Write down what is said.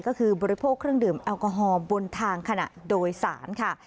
ก็คือบริโภคเครื่องดื่มแอลกอฮอล์บนทางขณะโดยสารค่ะ